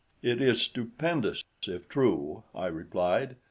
"It is stupendous if true," I replied.